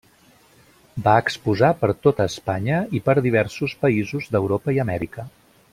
Va exposar per tota Espanya i per diversos països d'Europa i Amèrica.